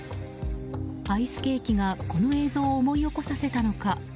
アイスケーキがこの映像を思い起こさせたのか。